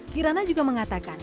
kirana juga mengatakan